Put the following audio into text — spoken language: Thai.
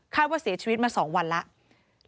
คาดว่าเสียชีวิตมาสองวันแล้ว